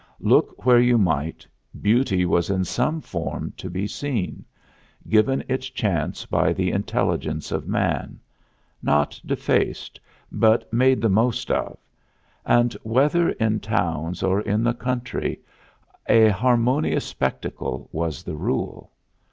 Look where you might, beauty was in some form to be seen, given its chance by the intelligence of man not defaced, but made the most of; and, whether in towns or in the country, a harmonious spectacle was the rule.